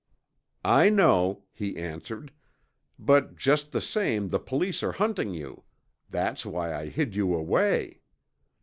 "'I know,' he answered. 'But just the same the police are hunting you. That's why I hid you away.'